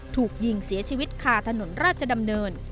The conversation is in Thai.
ถูกยิงเสียชีวิตคาถนนราชดำเนิน